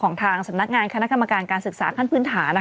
ของทางสำนักงานคณะกรรมการการศึกษาขั้นพื้นฐาน